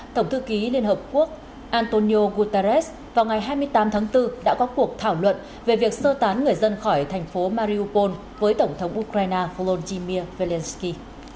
tổng thư ký liên hợp quốc antonio guterres vào ngày hai mươi tám tháng bốn đã có cuộc thảo luận về việc sơ tán người dân khỏi thành phố mariopol với tổng thống ukraine volodymyr zelensky